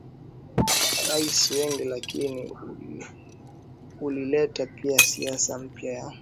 raia wengi lakini ulileta pia siasa mpya ya